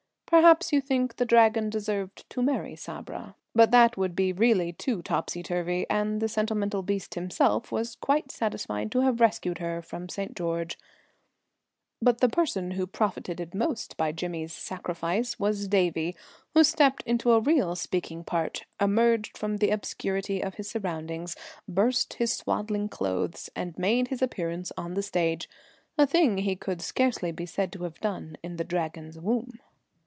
Perhaps you think the Dragon deserved to marry Sabra, but that would be really too topsy turvy, and the sentimental beast himself was quite satisfied to have rescued her from St. George. But the person who profited most by Jimmy's sacrifice was Davie, who stepped into a real speaking part, emerged from the obscurity of his surroundings, burst his swaddling clothes, and made his appearance on the stage a thing he could scarcely be said to have done in the Dragon's womb.